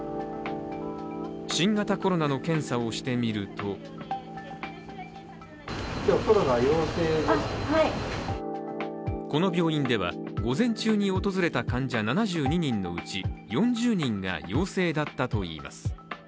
新型コロナの検査をしてみるとこの病院では、午前中に訪れた患者７２人のうち４０人が陽性だったといいます。